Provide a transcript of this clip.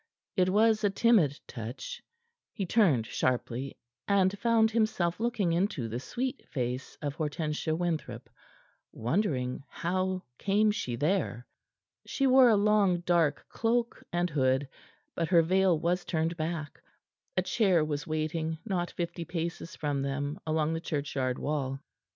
It was a timid touch. He turned sharply, and found himself looking into the sweet face of Hortensia Winthrop, wondering how came she there. She wore a long, dark cloak and hood, but her veil was turned back. A chair was waiting not fifty paces from them along the churchyard wall.